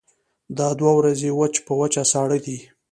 دا دوه ورځې وچ په وچه ساړه دي.